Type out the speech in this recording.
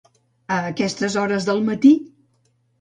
A aquestes hores del matí?